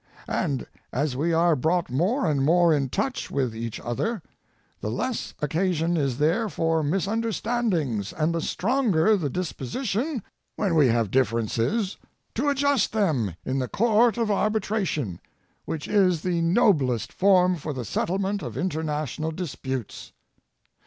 And as we are brought more and more in touch with each other, the less occasion is there for misunder standings, and the stronger the disposition, when we have differences, to adjust them in the court of arbi tration, which is the noblest forum for the settlement of international disputes.